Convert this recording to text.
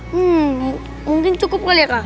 hmmm mungkin cukup kali ya kak